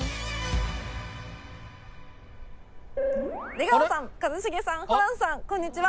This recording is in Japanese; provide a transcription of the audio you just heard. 出川さん一茂さんホランさんこんにちは。